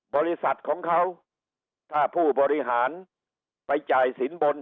บริษัทของเขาถ้าผู้บริหารไปจ่ายสินบน